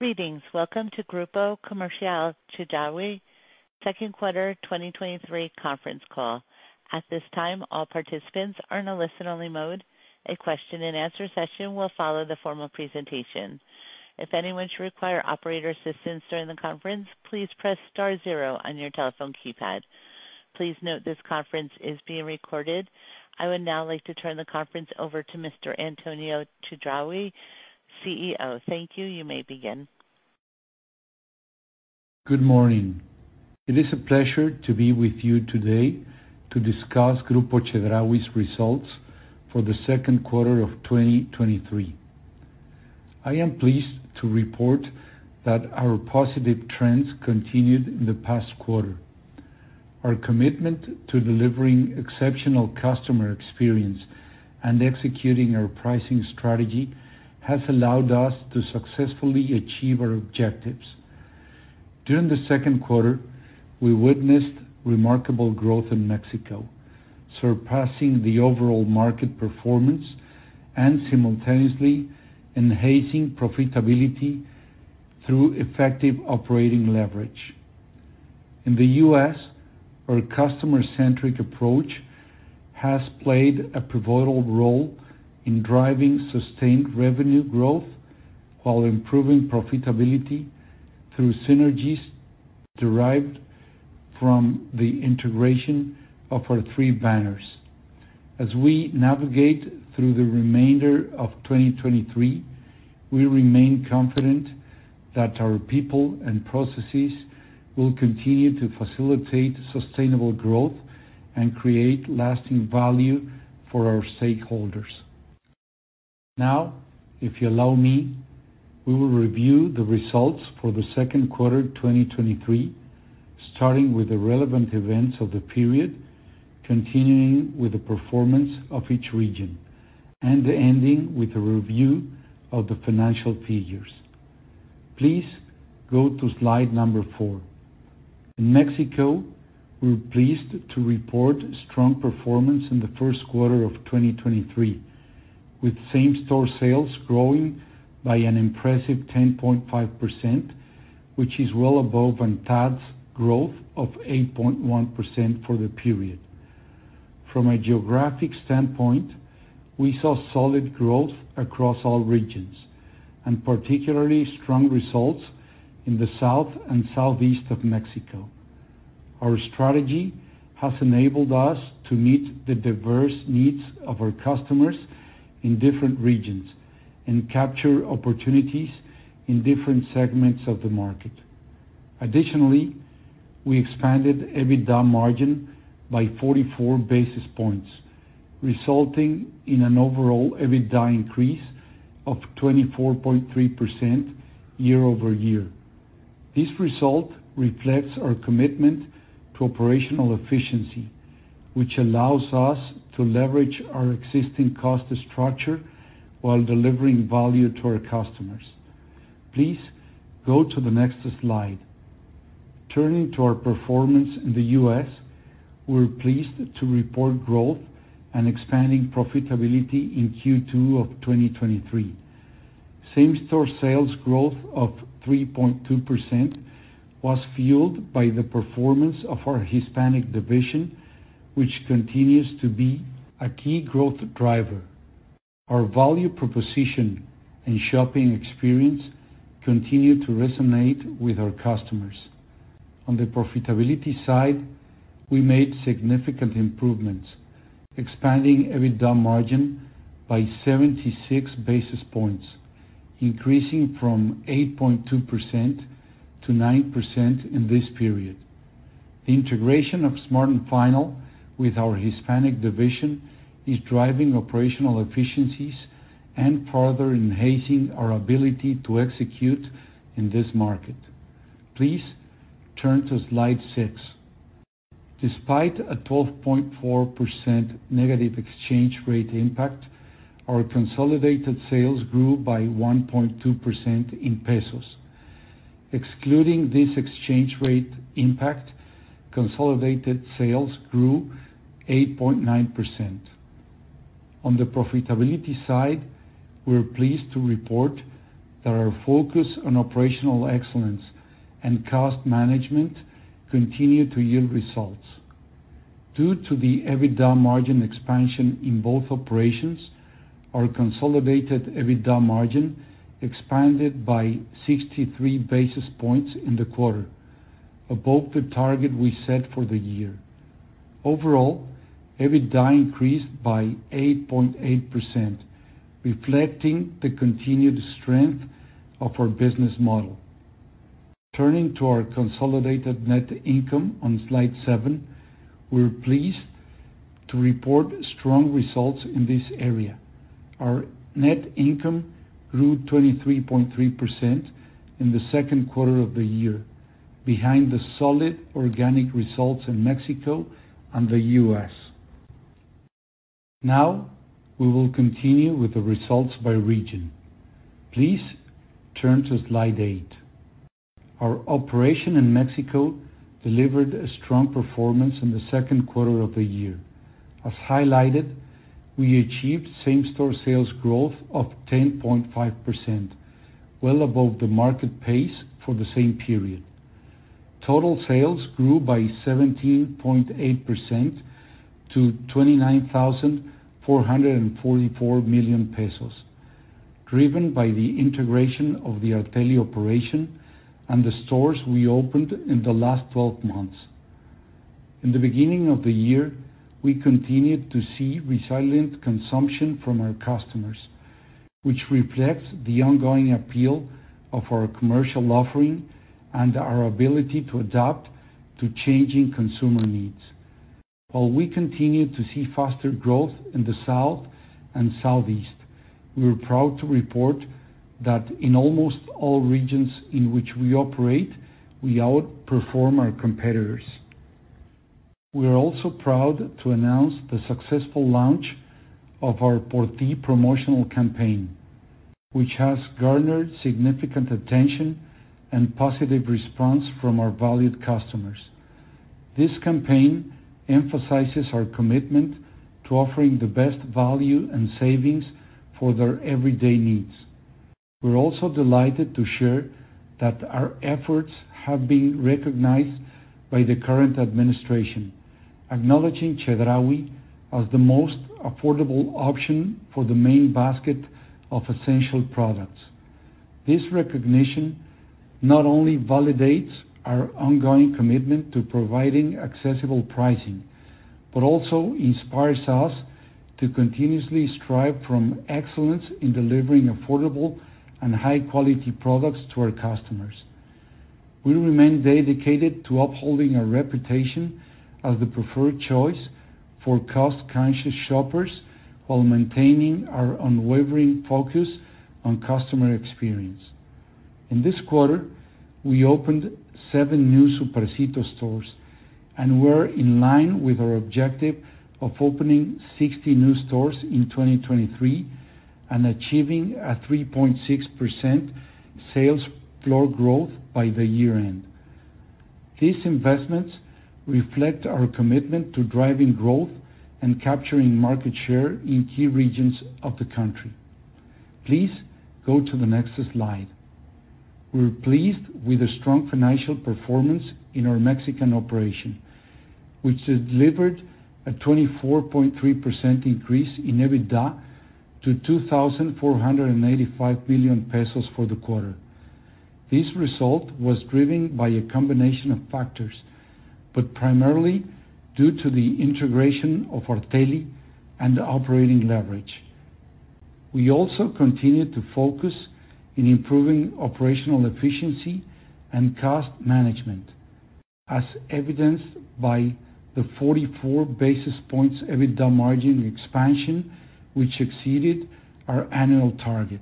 Greetings. Welcome to Grupo Comercial Chedraui Q2 2023 conference call. At this time, all participants are in a listen-only mode. A question-and-answer session will follow the formal presentation. If anyone should require operator assistance during the conference, please press star 0 on your telephone keypad. Please note this conference is being recorded. I would now like to turn the conference over to Mr. Antonio Chedraui, CEO. Thank you. You may begin. Good morning. It is a pleasure to be with you today to discuss Grupo Chedraui's results for the Q2 of 2023. I am pleased to report that our positive trends continued in the past quarter. Our commitment to delivering exceptional customer experience and executing our pricing strategy has allowed us to successfully achieve our objectives. During the Q2, we witnessed remarkable growth in Mexico, surpassing the overall market performance and simultaneously enhancing profitability through effective operating leverage. In the U.S., our customer-centric approach has played a pivotal role in driving sustained revenue growth while improving profitability through synergies derived from the integration of our three banners. As we navigate through the remainder of 2023, we remain confident that our people and processes will continue to facilitate sustainable growth and create lasting value for our stakeholders. Now, if you allow me, we will review the results for the Q2 2023, starting with the relevant events of the period, continuing with the performance of each region, and ending with a review of the financial figures. Please go to slide number 4. In Mexico, we're pleased to report strong performance in the Q1 of 2023, with same-store sales growing by an impressive 10.5%, which is well above ANTAD's growth of 8.1% for the period. From a geographic standpoint, we saw solid growth across all regions, and particularly strong results in the South and Southeast of Mexico. Our strategy has enabled us to meet the diverse needs of our customers in different regions and capture opportunities in different segments of the market. Additionally, we expanded EBITDA margin by 44 basis points, resulting in an overall EBITDA increase of 24.3% year-over-year. This result reflects our commitment to operational efficiency, which allows us to leverage our existing cost structure while delivering value to our customers. Please go to the next slide. Turning to our performance in the U.S., we're pleased to report growth and expanding profitability in Q2 of 2023. Same-store sales growth of 3.2% was fueled by the performance of our Hispanic division, which continues to be a key growth driver. Our value, proposition, and shopping experience continue to resonate with our customers. On the profitability side, we made significant improvements, expanding EBITDA margin by 76 basis points, increasing from 8.2 to 9% in this period. The integration of Smart & Final with our Hispanic division is driving operational efficiencies and further enhancing our ability to execute in this market. Please turn to slide 6. Despite a 12.4% negative exchange rate impact, our consolidated sales grew by 1.2% in pesos. Excluding this exchange rate impact, consolidated sales grew 8.9%. On the profitability side, we're pleased to report that our focus on operational excellence and cost management continued to yield results. Due to the EBITDA margin expansion in both operations, our consolidated EBITDA margin expanded by 63 basis points in the quarter, above the target we set for the year. Overall, EBITDA increased by 8.8%, reflecting the continued strength of our business model. Turning to our consolidated net income on slide 7, we're pleased to report strong results in this area. Our net income grew 23.3% in the Q2 of the year, behind the solid organic results in Mexico and the U.S. We will continue with the results by region. Please turn to slide 8. Our operation in Mexico delivered a strong performance in the Q2 of the year. As highlighted, we achieved same-store sales growth of 10.5%, well above the market pace for the same period. Total sales grew by 17.8% to 29,444 million pesos, driven by the integration of the Arteli operation and the stores we opened in the last 12 months. In the beginning of the year, we continued to see resilient consumption from our customers, which reflects the ongoing appeal of our commercial offering and our ability to adapt to changing consumer needs. While we continue to see faster growth in the South and Southeast, we are proud to report that in almost all regions in which we operate, we outperform our competitors. We are also proud to announce the successful launch of our Por Ti promotional campaign, which has garnered significant attention and positive response from our valued customers. This campaign emphasizes our commitment to offering the best value and savings for their everyday needs. We're also delighted to share that our efforts have been recognized by the current administration, acknowledging Chedraui as the most affordable option for the main basket of essential products. This recognition not only validates our ongoing commitment to providing accessible pricing, but also inspires us to continuously strive from excellence in delivering affordable and high-quality products to our customers. We remain dedicated to upholding our reputation as the preferred choice for cost-conscious shoppers while maintaining our unwavering focus on customer experience. In this quarter, we opened seven new Supercito stores and we're in line with our objective of opening 60 new stores in 2023, and achieving a 3.6% sales floor growth by the year-end. These investments reflect our commitment to driving growth and capturing market share in key regions of the country. Please go to the next slide. We're pleased with the strong financial performance in our Mexican operation, which delivered a 24.3% increase in EBITDA to 2,485 million pesos for the quarter. This result was driven by a combination of factors, primarily due to the integration of Arteli and the operating leverage. We also continued to focus in improving operational efficiency and cost management, as evidenced by the 44 basis points EBITDA margin expansion, which exceeded our annual target.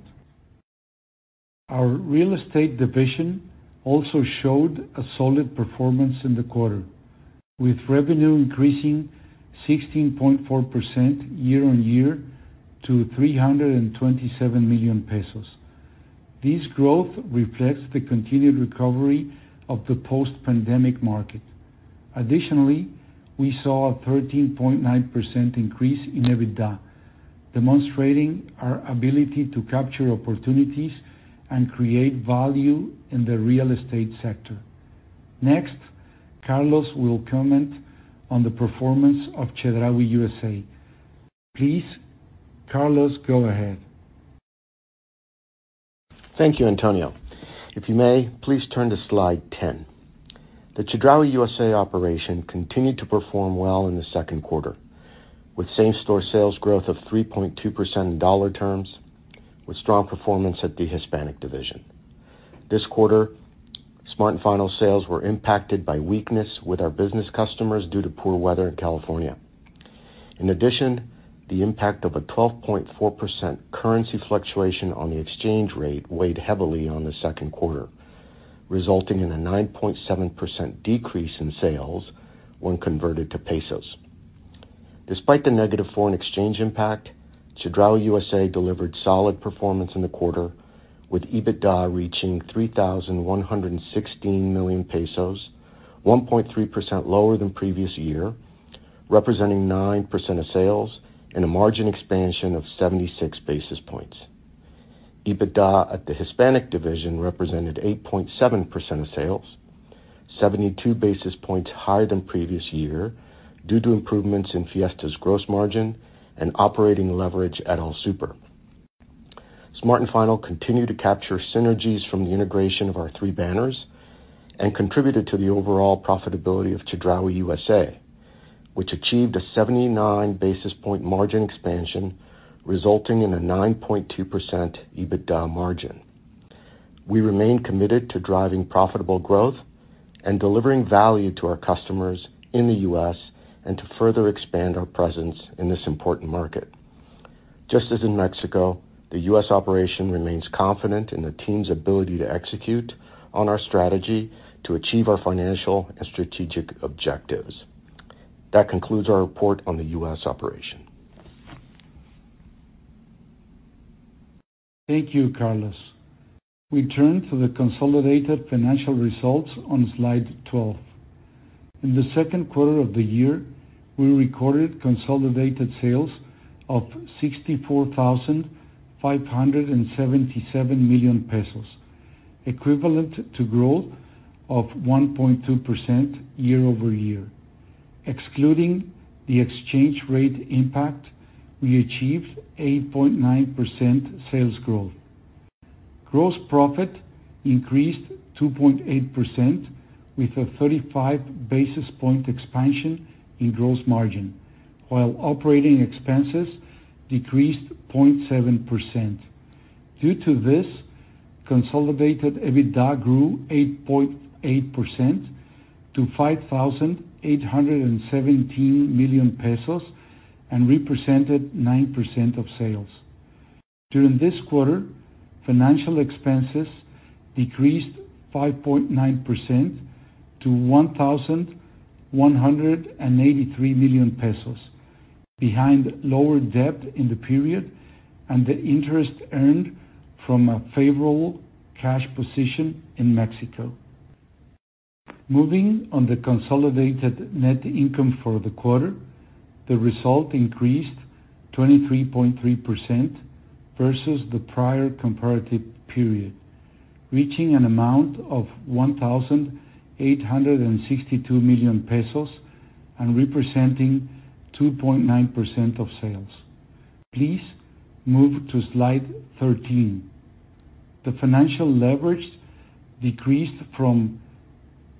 Our real estate division also showed a solid performance in the quarter, with revenue increasing 16.4% year-on-year to 327 million pesos. This growth reflects the continued recovery of the post-pandemic market. Additionally, we saw a 13.9% increase in EBITDA, demonstrating our ability to capture opportunities and create value in the real estate sector. Next, Carlos will comment on the performance of Chedraui USA. Please, Carlos, go ahead. Thank you, Antonio. If you may, please turn to slide 10. The Chedraui USA operation continued to perform well in the Q2, with same-store sales growth of 3.2% in dollar terms, with strong performance at the Hispanic division. This quarter, Smart & Final sales were impacted by weakness with our business customers due to poor weather in California. The impact of a 12.4% currency fluctuation on the exchange rate weighed heavily on the Q2, resulting in a 9.7% decrease in sales when converted to pesos. Despite the negative foreign exchange impact, Chedraui USA delivered solid performance in the quarter, with EBITDA reaching 3,116 million pesos, 1.3% lower than previous year, representing 9% of sales and a margin expansion of 76 basis points. EBITDA at the Hispanic division represented 8.7% of sales, 72 basis points higher than previous year, due to improvements in Fiesta's gross margin and operating leverage at El Super. Smart & Final continued to capture synergies from the integration of our three banners and contributed to the overall profitability of Chedraui USA, which achieved a 79 basis point margin expansion, resulting in a 9.2% EBITDA margin. We remain committed to driving profitable growth and delivering value to our customers in the U.S. and to further expand our presence in this important market. Just as in Mexico, the U.S. operation remains confident in the team's ability to execute on our strategy to achieve our financial and strategic objectives. That concludes our report on the U.S. operation. Thank you, Carlos. We turn to the consolidated financial results on slide 12. In the Q2 of the year, we recorded consolidated sales of 64,577 million pesos, equivalent to growth of 1.2% year-over-year. Excluding the exchange rate impact, we achieved 8.9% sales growth. Gross profit increased 2.8% with a 35 basis point expansion in gross margin, while operating expenses decreased 0.7%. Due to this, consolidated EBITDA grew 8.8% to 5,817 million pesos and represented 9% of sales. During this quarter, financial expenses decreased 5.9% to 1,183 million pesos, behind lower debt in the period and the interest earned from a favorable cash position in Mexico. Moving on the consolidated net income for the quarter, the result increased 23.3% versus the prior comparative period, reaching an amount of 1,862 million pesos and representing 2.9% of sales. Please move to slide 13. The financial leverage decreased from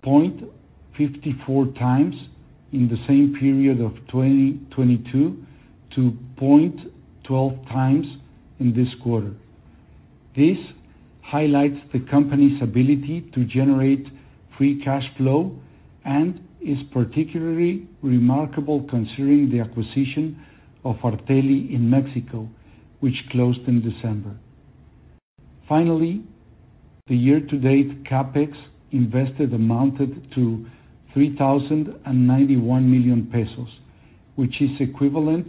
0.54x in the same period of 2022 to 0.12x in this quarter. This highlights the company's ability to generate free cash flow and is particularly remarkable considering the acquisition of Arteli in Mexico, which closed in December. Finally, the year-to-date CapEx invested amounted to 3,091 million pesos, which is equivalent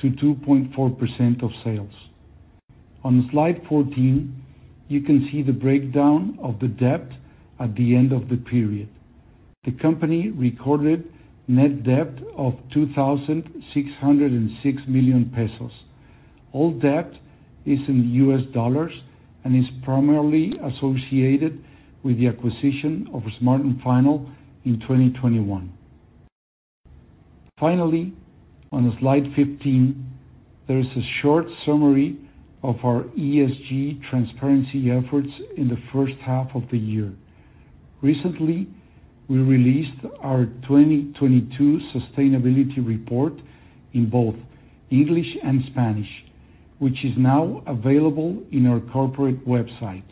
to 2.4% of sales. On slide 14, you can see the breakdown of the debt at the end of the period. The company recorded net debt of 2,606 million pesos. All debt is in U.S. dollars and is primarily associated with the acquisition of Smart & Final in 2021. Finally, on slide 15, there is a short summary of our ESG transparency efforts in the first half of the year. Recently, we released our 2022 sustainability report in both English and Spanish, which is now available in our corporate website.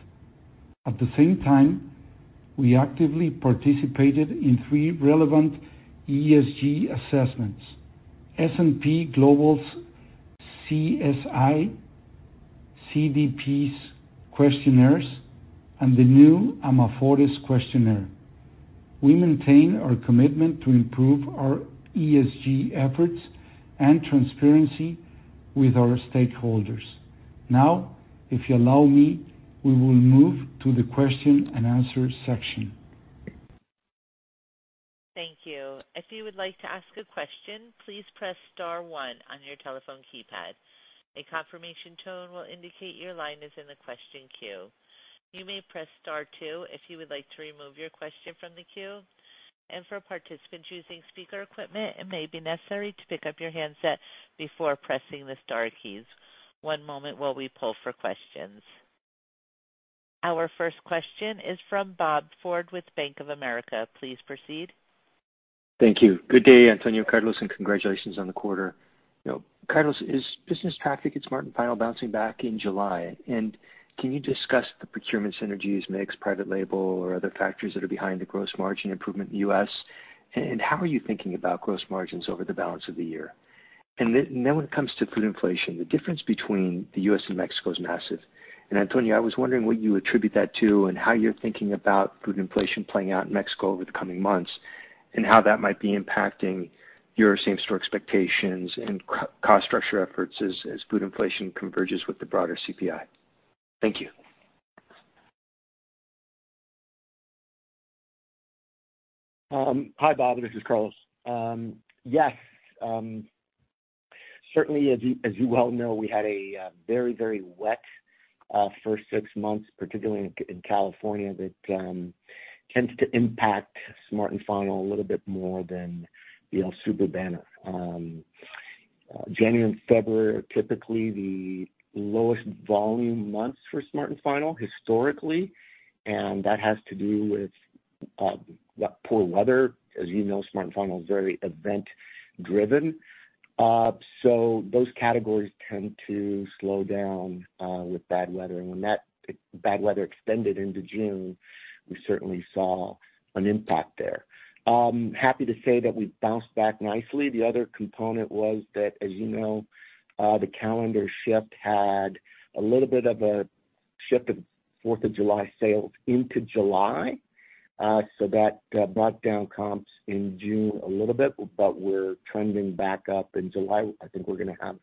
At the same time, we actively participated in 3 relevant ESG assessments: S&P Global's CSA, CDP's questionnaires, and the new Amafortas questionnaire. We maintain our commitment to improve our ESG efforts and transparency with our stakeholders. Now, if you allow me, we will move to the question and answer section. Thank you. If you would like to ask a question, please press star one on your telephone keypad. A confirmation tone will indicate your line is in the question queue. You may press star two if you would like to remove your question from the queue, and for participants using speaker equipment, it may be necessary to pick up your handset before pressing the star keys. 1 moment while we pull for questions. Our first question is from Robert Ford with Bank of America. Please proceed. Thank you. Good day, Antonio, Carlos. Congratulations on the quarter. Carlos, is business traffic at Smart & Final bouncing back in July? Can you discuss the procurement synergies, mix, private label, or other factors that are behind the gross margin improvement in the U.S.? How are you thinking about gross margins over the balance of the year? When it comes to food inflation, the difference between the U.S. and Mexico is massive. Antonio, I was wondering what you attribute that to and how you're thinking about food inflation playing out in Mexico over the coming months, and how that might be impacting your same-store expectations and co-cost structure efforts as food inflation converges with the broader CPI. Thank you. Hi, Bob. This is Carlos. Yes, certainly, as you, as you well know, we had a very, very wet first six months, particularly in California, that tends to impact Smart & Final a little bit more than the El Super banner. January and February are typically the lowest volume months for Smart & Final historically, and that has to do with poor weather. As you know, Smart & Final is very event-driven. So those categories tend to slow down with bad weather. When that bad weather extended into June, we certainly saw an impact there. Happy to say that we bounced back nicely. The other component was that, as you know, the calendar shift had a little bit of a-... shift the Fourth of July sales into July, so that brought down comps in June a little bit, but we're trending back up in July. I think we're gonna have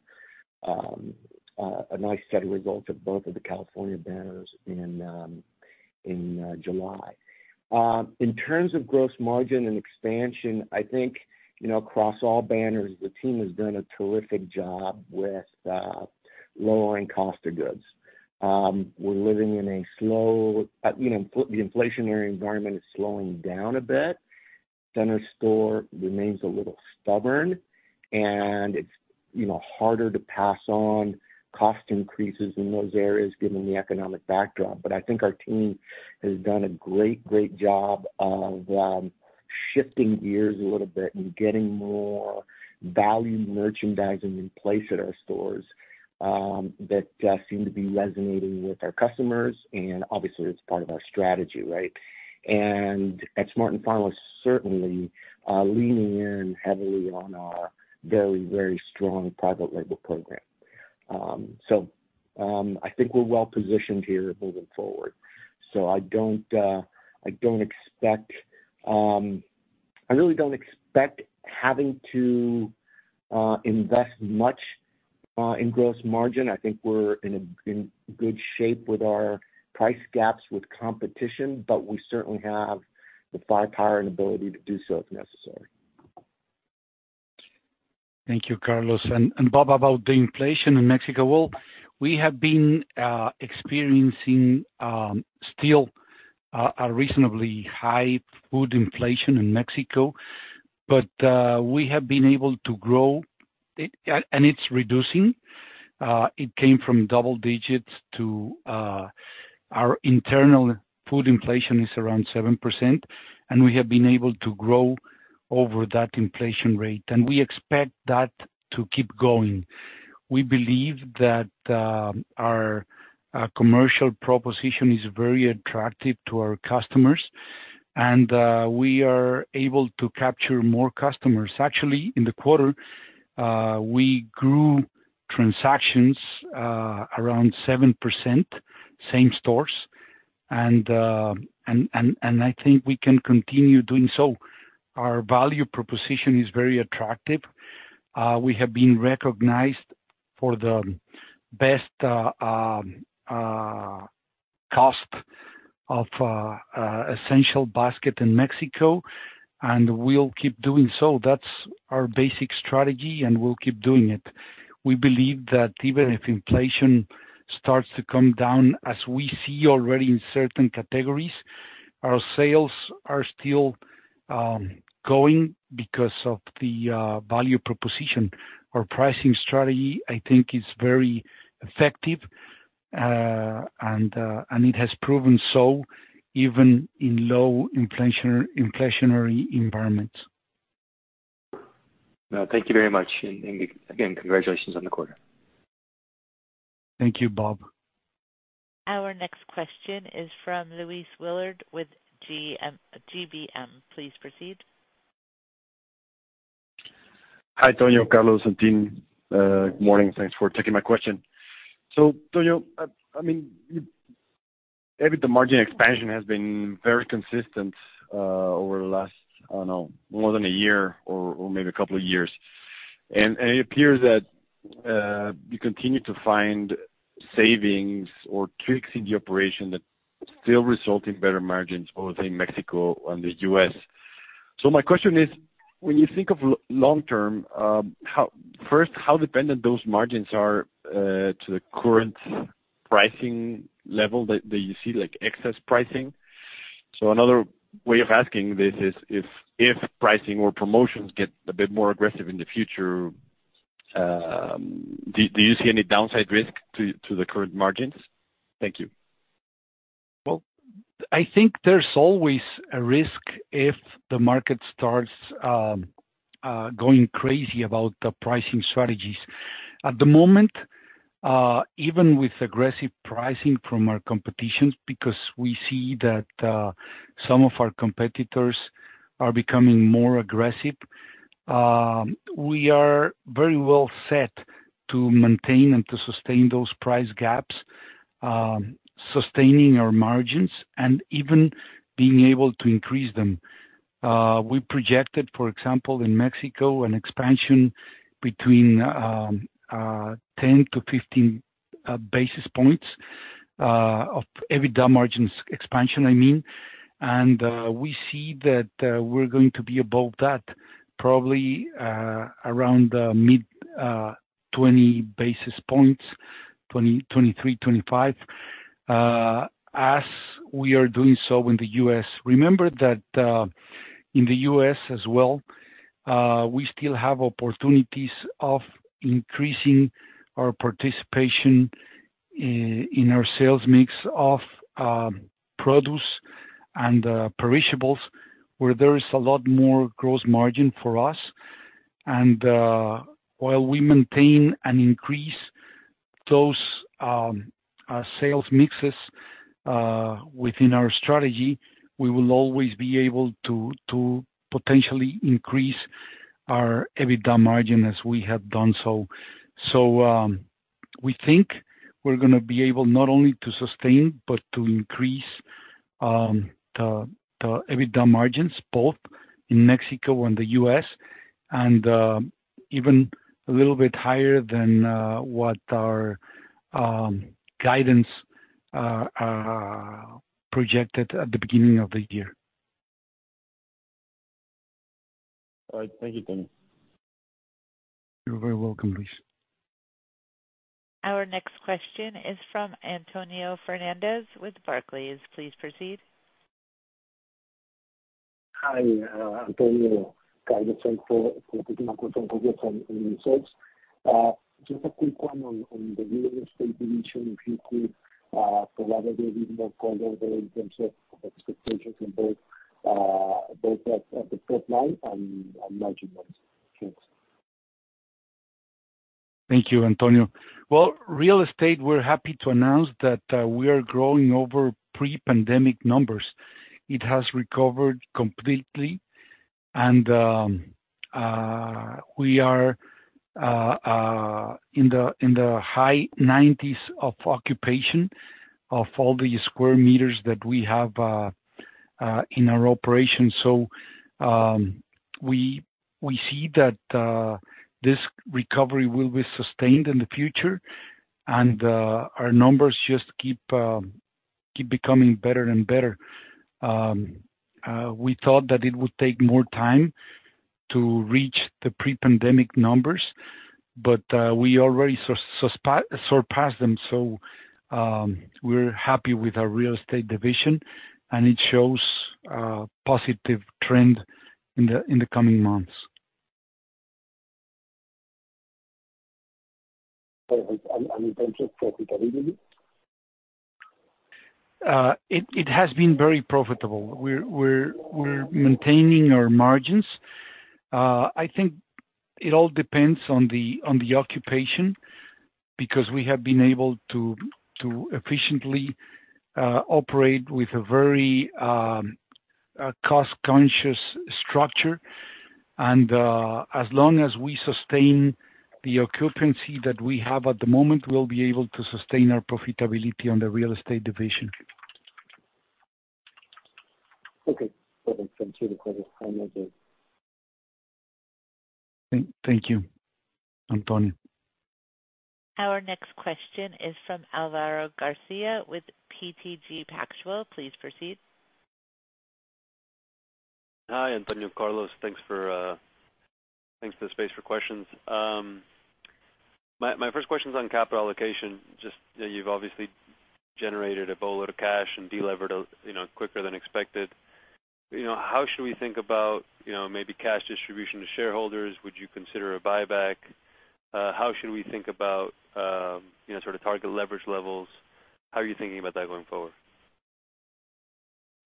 a nice set of results at both of the California banners in July. In terms of gross margin and expansion, I think, you know, across all banners, the team has done a terrific job with lowering cost of goods. We're living in a slow, you know, the inflationary environment is slowing down a bit. Center store remains a little stubborn, and it's, you know, harder to pass on cost increases in those areas given the economic backdrop. I think our team has done a great, great job of shifting gears a little bit and getting more value merchandising in place at our stores that seem to be resonating with our customers, and obviously, it's part of our strategy, right? At Smart & Final, certainly, leaning in heavily on our very, very strong private label program. I think we're well positioned here moving forward. I don't, I don't expect. I really don't expect having to invest much in gross margin. I think we're in a, in good shape with our price gaps with competition, but we certainly have the firepower and ability to do so if necessary. Thank you, Carlos. Bob, about the inflation in Mexico, well, we have been experiencing still a reasonably high food inflation in Mexico, but we have been able to grow, it, and it's reducing. It came from double digits to our internal food inflation is around 7%, and we have been able to grow over that inflation rate, and we expect that to keep going. We believe that our commercial proposition is very attractive to our customers, and we are able to capture more customers. Actually, in the quarter, we grew transactions around 7%, same stores, and I think we can continue doing so. Our value proposition is very attractive. We have been recognized for the best cost of essential basket in Mexico, and we'll keep doing so. That's our basic strategy, and we'll keep doing it. We believe that even if inflation starts to come down, as we see already in certain categories, our sales are still going because of the value proposition. Our pricing strategy, I think, is very effective, and it has proven so even in low inflationary environments. Thank you very much, and, and again, congratulations on the quarter. Thank you, Bob. Our next question is from Luis Willard with GBM. Please proceed. Hi, Tonio, Carlos, and team. Good morning, thanks for taking my question. Tonio, I mean, EBITDA margin expansion has been very consistent over the last, I don't know, more than a year or, or maybe a couple of years. And it appears that you continue to find savings or tricks in the operation that still result in better margins, both in Mexico and the US. My question is, when you think of long term, first, how dependent those margins are to the current pricing level that, that you see, like excess pricing? Another way of asking this is, if, if pricing or promotions get a bit more aggressive in the future, do, do you see any downside risk to, to the current margins? Thank you. Well, I think there's always a risk if the market starts going crazy about the pricing strategies. At the moment, even with aggressive pricing from our competitions, because we see that some of our competitors are becoming more aggressive, we are very well set to maintain and to sustain those price gaps, sustaining our margins and even being able to increase them. We projected, for example, in Mexico, an expansion between 10-15 basis points of EBITDA margins expansion, I mean, and we see that we're going to be above that, probably around the mid 20 basis points, 20, 23, 25, as we are doing so in the US. Remember that in the US as well, we still have opportunities of increasing our participation in our sales mix of produce and perishables, where there is a lot more gross margin for us. While we maintain and increase those sales mixes within our strategy, we will always be able to potentially increase our EBITDA margin as we have done so. We think we're gonna be able not only to sustain, but to increase the EBITDA margins, both in Mexico and the US, and even a little bit higher than what our guidance projected at the beginning of the year. All right. Thank you, Carlos. You're very welcome, Luis. Our next question is from Antonio Hernandez with Barclays. Please proceed. Hi, Antonio Carlos, thanks for, for taking my question from Research. Just a quick one on, on the real estate division, if you could, provide a little bit more color there in terms of expectations in both, both at, at the top line and, and margin wise. Thanks. Thank you, Antonio. Well, real estate, we're happy to announce that we are growing over pre-pandemic numbers. It has recovered completely, and we are in the high 90s of occupation of all the square meters that we have in our operation. We see that this recovery will be sustained in the future, and our numbers just keep becoming better and better. We thought that it would take more time to reach the pre-pandemic numbers, but we already surpassed them. We're happy with our real estate division, and it shows positive trend in the coming months. Perfect. In terms of profitability? It, it has been very profitable. We're, we're, we're maintaining our margins. I think it all depends on the, on the occupation, because we have been able to, to efficiently operate with a very cost-conscious structure. As long as we sustain the occupancy that we have at the moment, we'll be able to sustain our profitability on the real estate division. Okay, perfect. Thank you for the clarity. Thank you, Antonio. Our next question is from Alvaro Garcia with BTG Pactual. Please proceed. Hi, Antonio Carlos, thanks for, thanks for the space for questions. My, my first question is on capital allocation. Just that you've obviously generated a boatload of cash and delevered, you know, quicker than expected. You know, how should we think about, you know, maybe cash distribution to shareholders? Would you consider a buyback? How should we think about, you know, sort of target leverage levels? How are you thinking about that going forward?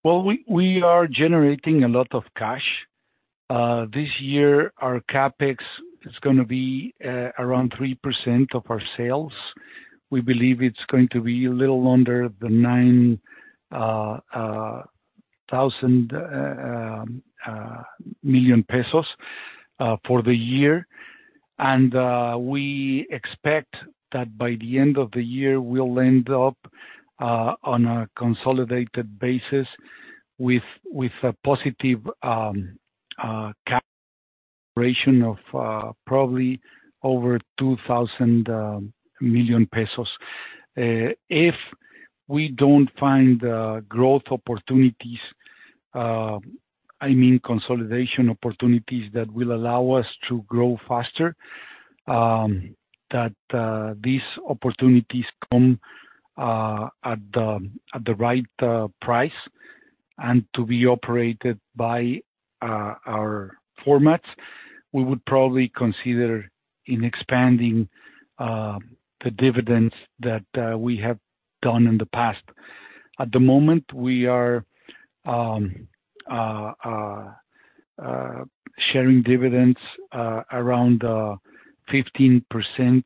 Well, we, we are generating a lot of cash. This year, our CapEx is gonna be around 3% of our sales. We believe it's going to be a little under the 9,000 million pesos for the year. We expect that by the end of the year, we'll end up on a consolidated basis with, with a positive cap operation of probably over 2,000 million pesos. If we don't find growth opportunities, I mean, consolidation opportunities that will allow us to grow faster, that these opportunities come at the right price and to be operated by our formats, we would probably consider in expanding the dividends that we have done in the past. At the moment, we are sharing dividends around 15%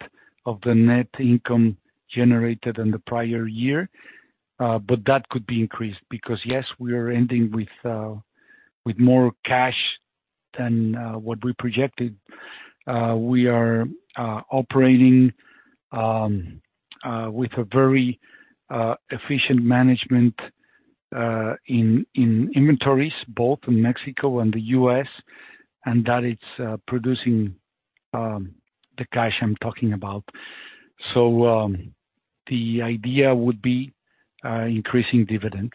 of the net income generated in the prior year. That could be increased because, yes, we are ending with more cash than what we projected. We are operating with a very efficient management in inventories, both in Mexico and the US, and that it's producing the cash I'm talking about. The idea would be increasing dividends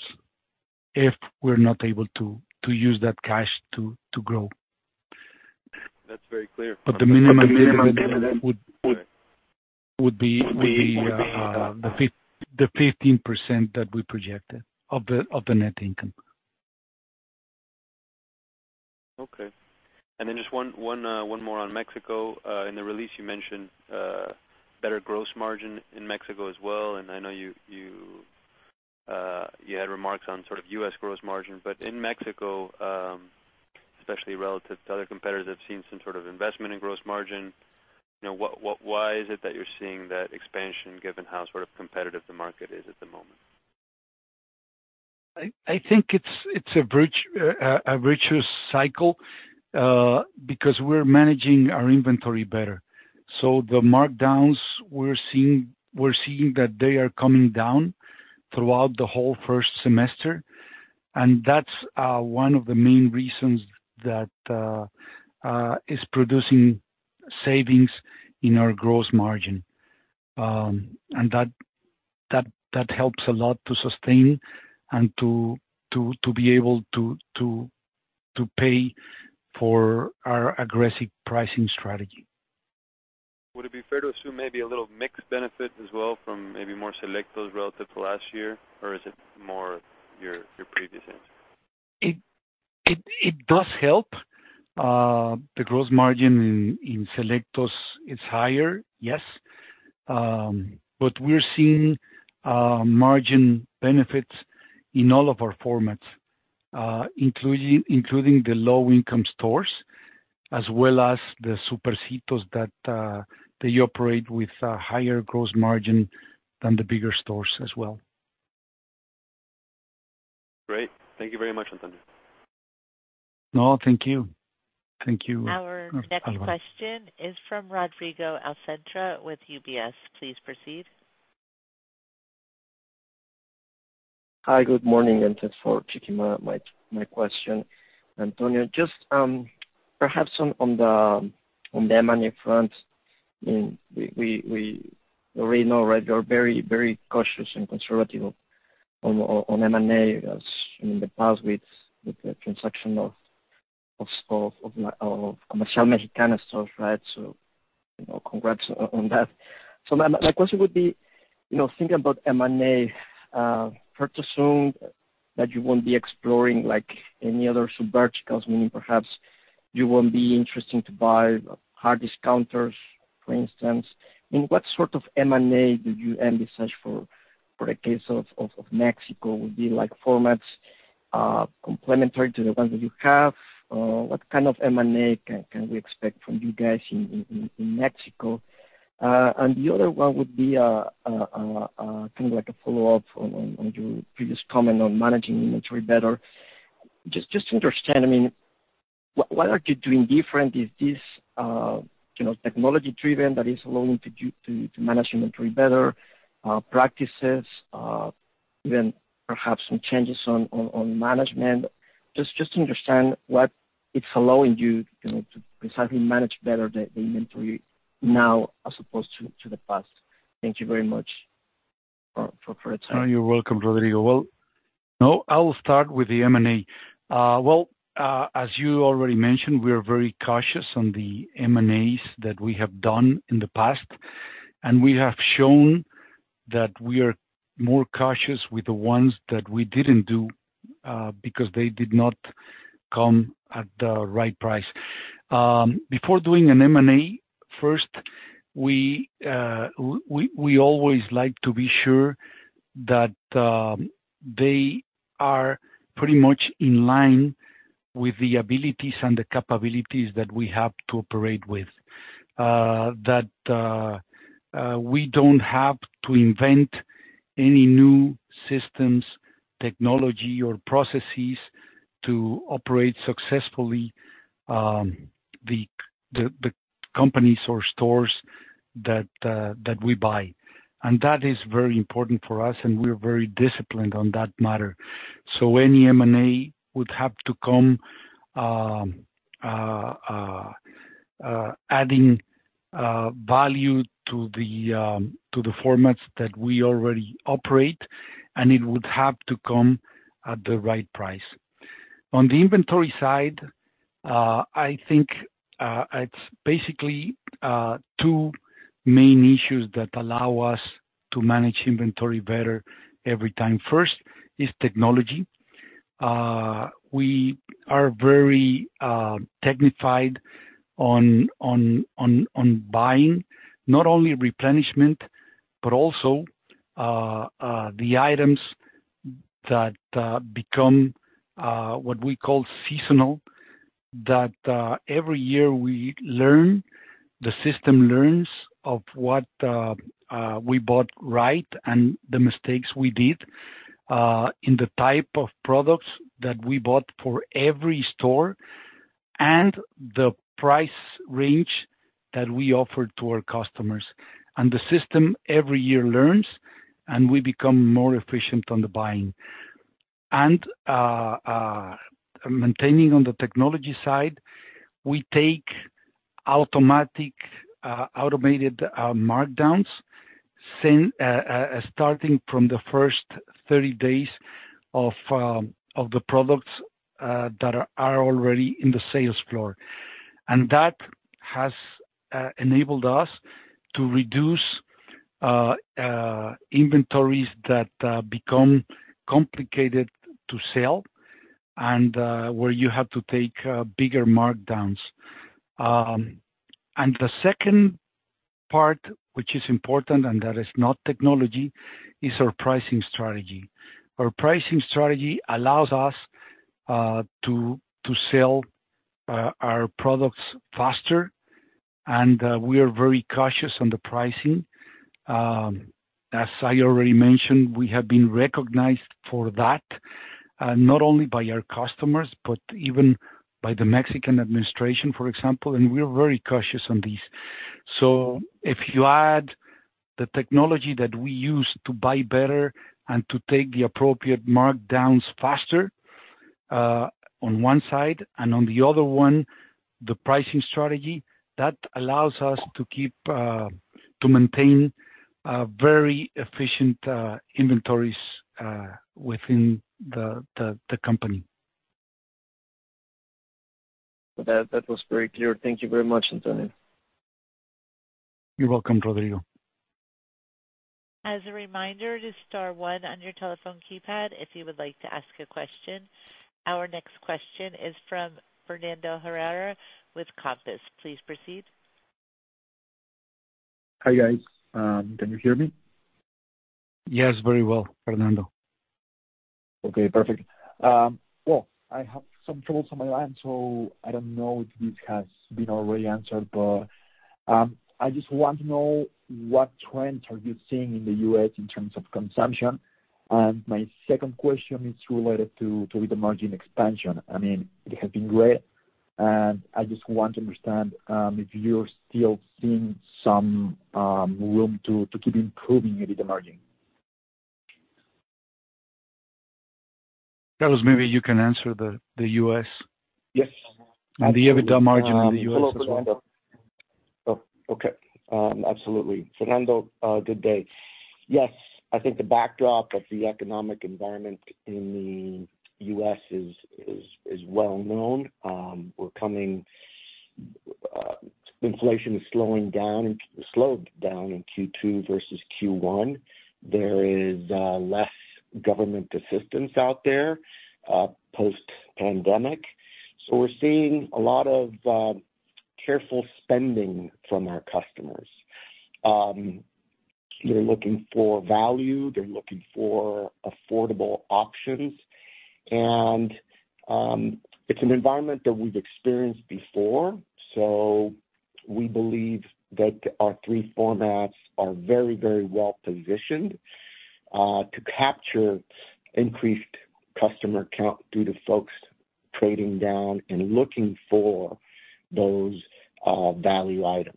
if we're not able to use that cash to grow. That's very clear. The minimum dividend would be the 15% that we projected of the net income. Okay. Just one, one, one more on Mexico. In the release, you mentioned better gross margin in Mexico as well, and I know you, you, you had remarks on sort of US gross margin, but in Mexico, especially relative to other competitors that have seen some sort of investment in gross margin. You know, why is it that you're seeing that expansion, given how sort of competitive the market is at the moment? I think it's a virtuous, a virtuous cycle, because we're managing our inventory better. The markdowns we're seeing, we're seeing that they are coming down throughout the whole first semester. That's one of the main reasons that is producing savings in our gross margin. That, that, that helps a lot to sustain and to be able to pay for our aggressive pricing strategy. Would it be fair to assume maybe a little mixed benefit as well from maybe more Selectos relative to last year? Or is it more your, your previous answer? It, it, it does help. The gross margin in, in Selectos is higher, yes. We're seeing margin benefits in all of our formats, including, including the low-income stores, as well as the Supercitos that they operate with a higher gross margin than the bigger stores as well. Great. Thank you very much, Antonio. No, thank you. Thank you, Alvaro. Our next question is from Rodrigo Alcantara with UBS. Please proceed. Hi, good morning. Thanks for taking my question. Antonio, just perhaps on the M&A front, I mean, we already know, right? You are very, very cautious and conservative on M&A, as in the past, with the transaction of Comercial Mexicana stores, right? You know, congrats on that. My question would be, you know, thinking about M&A purchasing, that you won't be exploring like any other subverticals, meaning perhaps you won't be interesting to buy hard discounters, for instance? I mean, what sort of M&A do you envisage for the case of Mexico? Would it be like formats complementary to the ones that you have? What kind of M&A can we expect from you guys in Mexico? The other one would be kind of like a follow-up on, on, on your previous comment on managing inventory better. Just, just to understand, I mean, what, what are you doing different? Is this, you know, technology-driven that is allowing you to, to manage inventory better, practices, even perhaps some changes on, on, on management? Just, just to understand, what it's allowing you, you know, to precisely manage better the, the inventory now as opposed to, to the past? Thank you very much for, for your time. Oh, you're welcome, Rodrigo. Now, I will start with the M&A. As you already mentioned, we are very cautious on the M&As that we have done in the past, and we have shown that we are more cautious with the ones that we didn't do, because they did not come at the right price. Before doing an M&A, first, we, we always like to be sure that they are pretty much in line with the abilities and the capabilities that we have to operate with. That we don't have to invent any new systems, technology, or processes to operate successfully, the companies or stores that we buy. That is very important for us, and we're very disciplined on that matter. Any M&A would have to come adding value to the formats that we already operate, and it would have to come at the right price. On the inventory side, I think it's basically two main issues that allow us to manage inventory better every time. First, is technology. We are very technified on buying, not only replenishment, but also the items that become what we call seasonal, that every year we learn, the system learns of what we bought right, and the mistakes we did in the type of products that we bought for every store and the price range that we offer to our customers. The system every year learns, and we become more efficient on the buying. Maintaining on the technology side, we take automatic, automated markdowns, starting from the first 30 days of the products that are already in the sales floor. That has enabled us to reduce inventories that become complicated to sell and where you have to take bigger markdowns. The second-... part, which is important and that is not technology, is our pricing strategy. Our pricing strategy allows us to sell our products faster, and we are very cautious on the pricing. As I already mentioned, we have been recognized for that, not only by our customers, but even by the Mexican administration, for example, and we are very cautious on this. If you add the technology that we use to buy better and to take the appropriate markdowns faster, on one side, and on the other one, the pricing strategy, that allows us to keep, to maintain, very efficient inventories within the company. That, that was very clear. Thank you very much, Antonio. You're welcome, Rodrigo. As a reminder, just star 1 on your telephone keypad if you would like to ask a question. Our next question is from Fernando Herrera with Compass. Please proceed. Hi, guys. Can you hear me? Yes, very well, Fernando. Okay, perfect. Well, I have some troubles on my line, so I don't know if this has been already answered, but, I just want to know what trends are you seeing in the U.S. in terms of consumption? My second question is related to the margin expansion. I mean, it has been great, and I just want to understand if you're still seeing some room to keep improving EBITDA margin. Carlos, maybe you can answer the, the U.S. Yes. The EBITDA margin in the U.S. as well. Okay. Absolutely. Fernando, good day. Yes, I think the backdrop of the economic environment in the U.S. is well known. We're coming. Inflation is slowing down, slowed down in Q2 versus Q1. There is less government assistance out there post-pandemic. We're seeing a lot of careful spending from our customers. They're looking for value, they're looking for affordable options, and it's an environment that we've experienced before, so we believe that our three formats are very, very well positioned to capture increased customer count due to folks trading down and looking for those value items.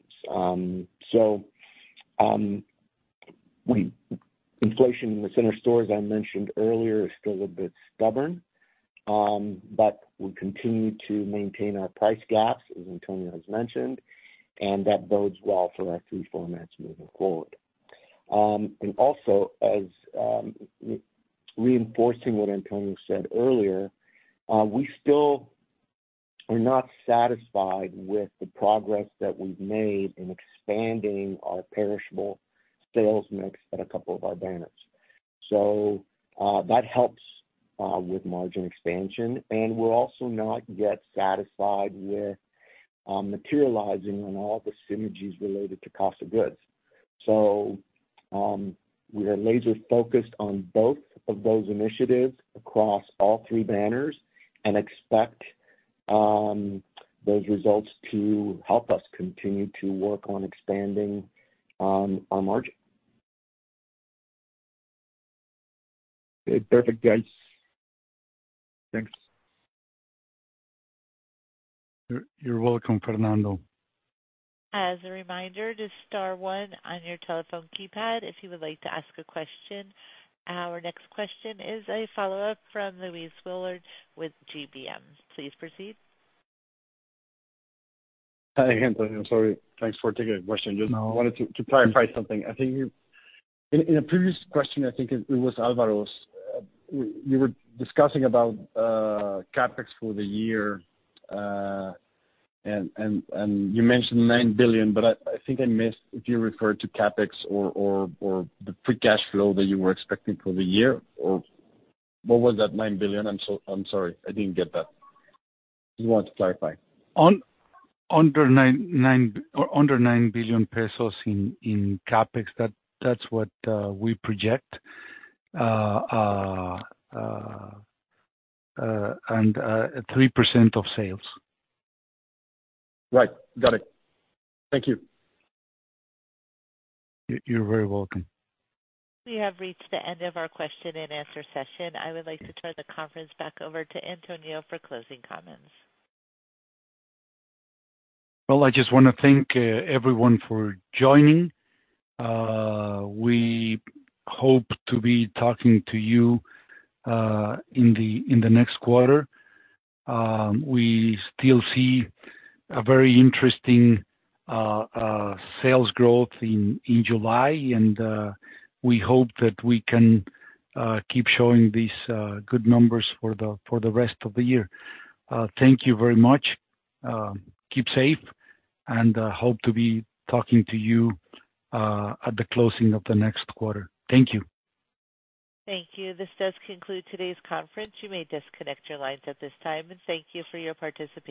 Inflation in the center stores, I mentioned earlier, is still a bit stubborn, but we continue to maintain our price gaps, as Antonio has mentioned, and that bodes well for our three formats moving forward. Also, as, reinforcing what Antonio said earlier, we still are not satisfied with the progress that we've made in expanding our perishable sales mix at a couple of our banners. That helps with margin expansion, and we're also not yet satisfied with materializing on all the synergies related to cost of goods. We are laser-focused on both of those initiatives across all three banners and expect, those results to help us continue to work on expanding, our margin. Okay. Perfect, guys. Thanks. You're, you're welcome, Fernando. As a reminder, just star one on your telephone keypad if you would like to ask a question. Our next question is a follow-up from Luis Willard with GBM. Please proceed. Hi again. I'm sorry. Thanks for taking the question. No. Just wanted to clarify something. I think in a previous question, I think it was Alvaro's. You were discussing about CapEx for the year, and you mentioned 9 billion. I think I missed if you referred to CapEx or the free cash flow that you were expecting for the year, or what was that 9 billion? I'm sorry, I didn't get that. Just want to clarify. under 9 billion pesos in CapEx. That's what we project, and 3% of sales. Right. Got it. Thank you. You're, you're very welcome. We have reached the end of our question and answer session. I would like to turn the conference back over to Antonio for closing comments. Well, I just want to thank everyone for joining. We hope to be talking to you in the next quarter. We still see a very interesting sales growth in July, and we hope that we can keep showing these good numbers for the rest of the year. Thank you very much. Keep safe, and hope to be talking to you at the closing of the next quarter. Thank you. Thank you. This does conclude today's conference. You may disconnect your lines at this time, and thank you for your participation.